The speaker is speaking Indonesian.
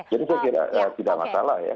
jadi saya kira tidak masalah ya